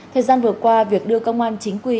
thời gian vừa qua việc đưa công an chính quy